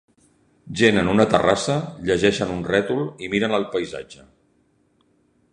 Gent en una terrassa llegeixen un rètol i miren el paisatge